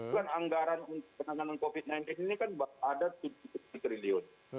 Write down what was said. kan anggaran penanganan covid sembilan belas ini kan ada tujuh triliun